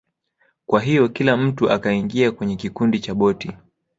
Kwa hiyo kila mtu akaingia kwenye kikundi cha boti